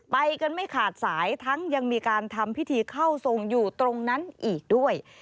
ไปกันไม่ขาดสายทั้งยังมีการทำพิธีเข้าทรงอยู่ตรงนั้นอีกด้วย